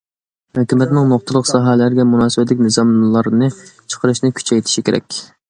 ھۆكۈمەتنىڭ نۇقتىلىق ساھەلەرگە مۇناسىۋەتلىك نىزاملارنى چىقىرىشىنى كۈچەيتىش كېرەك.